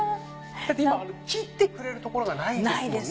今切ってくれるところがないですもんね。